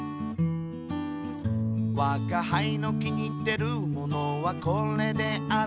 「わが輩の気に入ってるものはこれである」